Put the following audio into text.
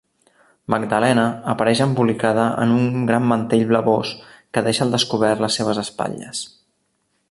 Magdalena apareix embolicada en un gran mantell blavós que deixa al descobert les seves espatlles.